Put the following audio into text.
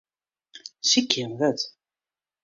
Sykje in wurd.